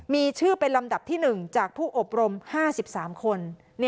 มีชื่อเป็นลำดับที่๑จากผู้อบรม๕๓คน